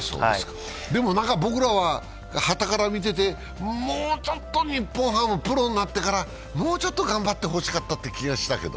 でも、僕らは傍から見ていてもうちょっと日本ハム、プロになってからもうちょっと頑張ってほしかったって気がしたけど。